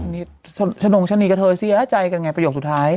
นี่ชะนงชะนีกับเธอเสียใจกันไงประโยคสุดท้าย